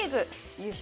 優勝